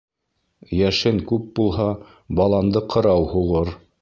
Йәшен күп булһа, баланды ҡырау һуғыр.